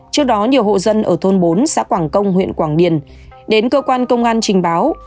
trước đó nhiều hộ dân ở thôn bốn xã quảng công huyện quảng điền đến cơ quan công an trình báo